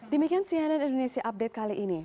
demikian cnn indonesia update kali ini